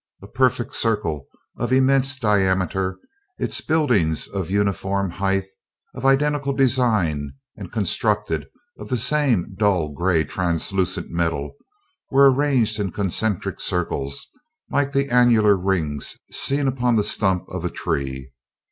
A perfect circle of immense diameter, its buildings of uniform height, of identical design, and constructed of the same dull gray, translucent metal, were arranged in concentric circles, like the annular rings seen upon the stump of a tree.